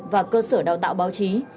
và cơ sở đào tạo báo chí